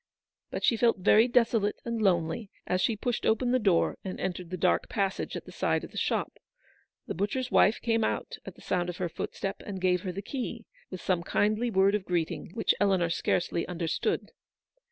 But she felt very desolate and lonely as she pushed open the door and entered the dark passage at the side of the shop. The butcher's wife came out at the sound of her footstep, and gave her the key, with some kindly word of greeting which Eleanor scarcely understood.